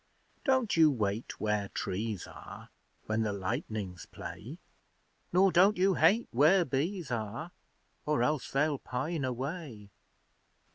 Don't you wait where trees are, When the lightnings play; Nor don't you hate where Bees are, Or else they'll pine away.